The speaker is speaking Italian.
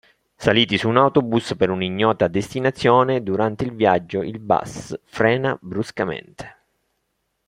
Saliti su un autobus per un'ignota destinazione durante il viaggio il bus frena bruscamente.